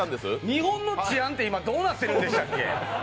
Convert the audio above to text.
日本の治安って今、どうなってるんでしたっけ？